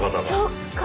そっか！